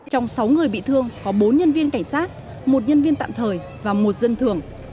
trong sáu người bị thương có bốn nhân viên cảnh sát một nhân viên tạm thời và một dân thường